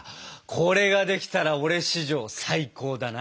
これができたら俺史上最高だな。